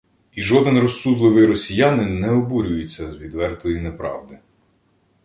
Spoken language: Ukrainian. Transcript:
І жоден розсудливий росіянин не обурюється з відвертої неправди